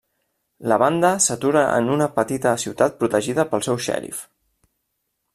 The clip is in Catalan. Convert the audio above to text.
La banda s'atura en una petita ciutat protegida pel seu xèrif.